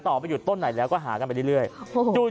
ถามงูหายไปอีกตามการตอบไปอยู่ต้นไหนก็หากันไปอีก